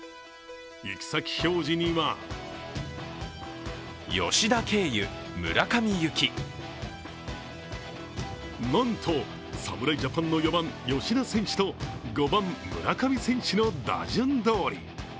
行き先表示にはなんと、侍ジャパンの４番・吉田選手と５番・村上選手の打順どおり。